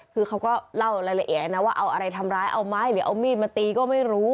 คือเขาก็เล่ารายละเอียดนะว่าเอาอะไรทำร้ายเอาไม้หรือเอามีดมาตีก็ไม่รู้